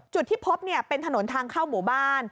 จุดที่พบเป็นถนนทางเข้าหมู่บ้าน